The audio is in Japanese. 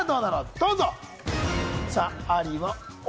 どうぞ！